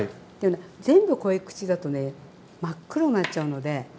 全部こい口だとね真っ黒になっちゃうので。